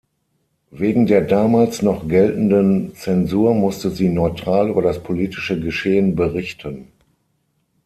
Wegen der damals noch geltenden Zensur musste sie neutral über das politische Geschehen berichten.